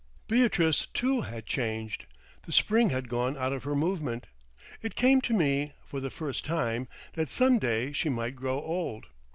Beatrice too had changed. The spring had gone out of her movement; it came to me, for the first time, that some day she might grow old.